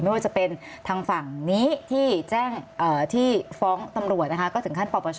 ไม่ว่าจะเป็นทางฝั่งนี้ที่แจ้งที่ฟ้องตำรวจนะคะก็ถึงขั้นปปช